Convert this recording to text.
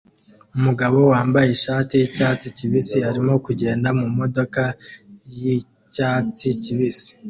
Umugabo wambaye ishati yicyatsi kibisi arimo kugenda mumodoka yicyatsi kibisi